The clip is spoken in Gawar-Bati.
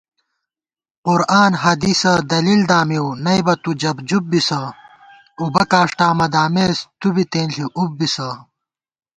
قرآن حدیثہ دلیل دامہ نئیبہ تُو جَبجُب بِسہ * اُبہ کاݭٹا مہ دامېس تُوبی تېنݪی اُب بِسہ